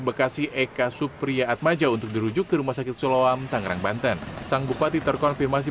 bekasi eka supriya atmaja untuk dirujuk ke rumah sakit suloam tangerang banten sang bupati terkonfirmasi